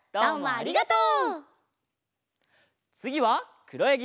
ありがとう。